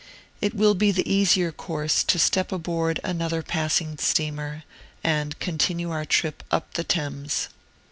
It will be the easier course to step aboard another passing steamer, and continue our trip up the Thames.